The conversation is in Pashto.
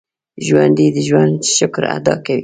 ژوندي د ژوند شکر ادا کوي